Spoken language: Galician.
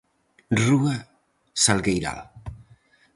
Rúa Salgueiral.